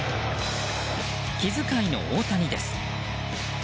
気遣いの大谷です。